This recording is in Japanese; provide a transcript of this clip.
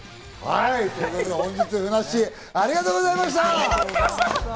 本日のゲストは、ふなっしー、ありがとうございました。